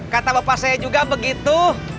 kata bapak saya juga begitu